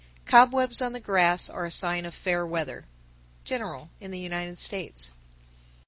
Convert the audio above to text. Cobwebs on the grass are a sign of fair weather. _General in the United States.